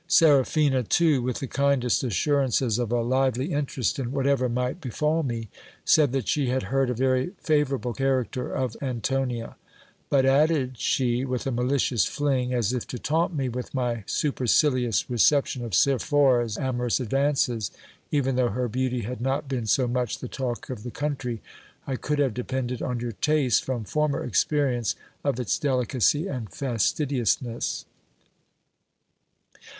Seraphina, too, with the kindest assurances of a lively interest in whatever might befall me, said that she had heard a very favourable character of Antonia ; but, added she, with a malicious fling, as if to taunt me with my supercilious recep tion of Sephora's amorous advances, even though her beauty had not been so much the talk of the country, I could have depended on your taste, from former experience of its delicacy and fastidiousness.